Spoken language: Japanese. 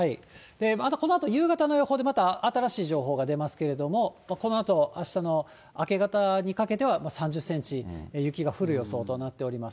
このあと夕方の予報でまた新しい情報が出ますけれども、このあとあしたの明け方にかけては、３０センチ雪が降る予想となっています。